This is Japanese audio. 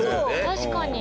確かに。